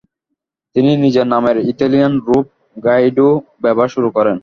তিনি নিজের নামের ইতালিয়ান রূপ, গাইডো ব্যবহার শুরু করেন।